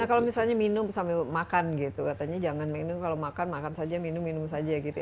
nah kalau misalnya minum sambil makan gitu katanya jangan minum kalau makan makan saja minum minum saja gitu ya